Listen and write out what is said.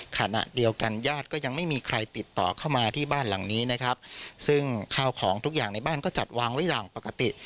ขณะเดียวกันญาติก็ยังไม่มีใครติดต่อเข้ามาที่บ้านหลังนี้นะครับซึ่งข้าวของทุกอย่างในบ้านก็จัดวางไว้อย่างปกติ